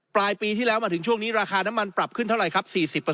ปลายปีที่แล้วมาถึงช่วงนี้ราคาน้ำมันปรับขึ้นเท่าไหร่ครับ๔๐